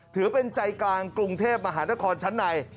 ถือเป็นใจกลางกรุงเทพมหานครชั้นใน